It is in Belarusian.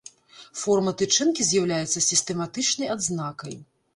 Форма тычынкі з'яўляецца сістэматычнай адзнакай.